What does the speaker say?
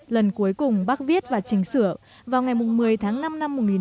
lần cuối cùng bác viết và chỉnh sửa vào ngày một mươi tháng năm năm một nghìn chín trăm bốn mươi năm